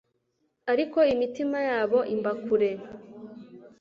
ariko imitima yabo imba kure